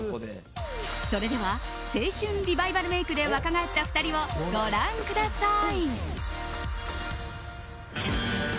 それでは青春リバイバルメイクで若返った２人をご覧ください。